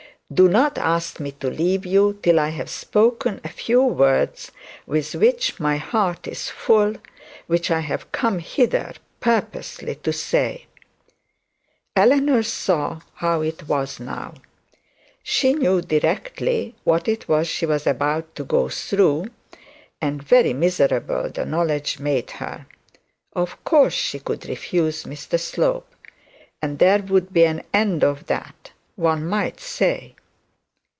'Do not ask me to leave you, till I have spoken a few words with which my heart is full; which I have come hither purposely to say.' Eleanor saw how it was now. She knew directly what it was she was about to go through, and very miserable the knowledge made her. Of course she could refuse Mr Slope, and there would be an end of that, one might say.